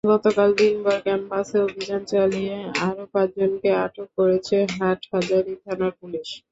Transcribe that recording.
গতকাল দিনভর ক্যাম্পাসে অভিযান চালিয়ে আরও পাঁচজনকে আটক করেছে হাটহাজারী থানার পুলিশ।